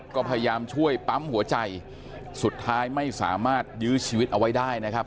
ก็พยายามช่วยปั๊มหัวใจสุดท้ายไม่สามารถยื้อชีวิตเอาไว้ได้นะครับ